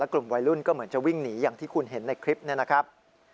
กลุ่มวัยรุ่นก็เหมือนจะวิ่งหนีอย่างที่คุณเห็นในคลิปนี้นะครับ